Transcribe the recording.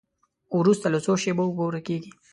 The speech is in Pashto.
وروسته له څو شېبو اوبه ورکیږي.